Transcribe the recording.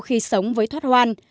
khi sống với thoát hoan